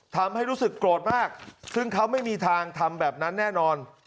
ทำให้รู้สึกโกรธมากซึ่งเขาไม่มีทางทำแบบนั้นแน่นอน